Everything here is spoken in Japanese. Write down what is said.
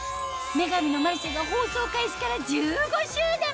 『女神のマルシェ』が放送開始から１５周年！